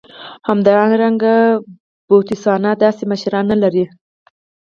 همدارنګه که بوتسوانا داسې مشران نه لر لای.